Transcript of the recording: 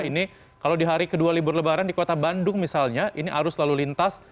ini kalau di hari kedua libur lebaran di kota bandung misalnya ini arus lalu lintas